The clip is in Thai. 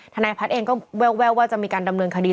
ฐไพรัฐเองก็แววว่าจะมีการดำเนินคดี